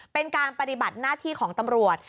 เป็นการปฏิบัติหน้าที่ของตำรวจ